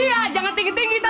iya jangan tinggi tinggi